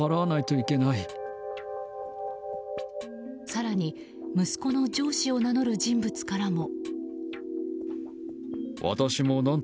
更に、息子の上司を名乗る人物からも。